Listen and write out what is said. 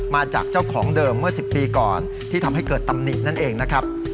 มาจากเจ้าของเดิมเมื่อ๑๐ปีก่อนที่ทำให้เกิดตำหนินั่นเองนะครับ